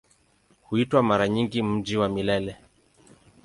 Huitwa mara nyingi "Mji wa Milele".